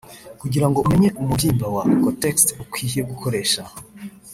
Kugira ngo umenye umubyimba wa cotex ukwiye gukoresha